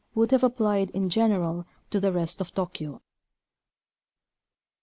would have applied in general to the rest of Tokyo.